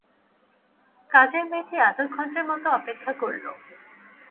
কাজের মেয়েটি আধা ঘন্টার মতো অপেক্ষা করল।